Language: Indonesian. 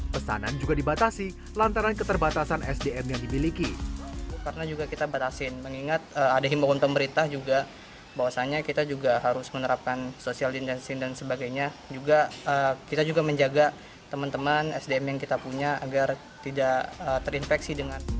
pesanan juga dibatasi lantaran keterbatasan sdm yang dimiliki